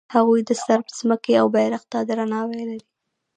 هغوی د صرب ځمکې او بیرغ ته درناوی لري.